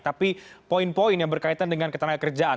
tapi poin poin yang berkaitan dengan ketenaga kerjaan